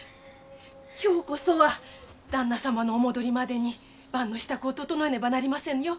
今日こそは旦那様のお戻りまでに晩の支度を整えねばなりませんよ。